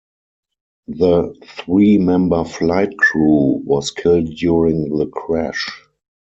The three member flight crew was killed during the crash.